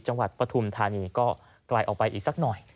จังหวัดปฐุมธานีก็กลายออกไปอีกสักหน่อย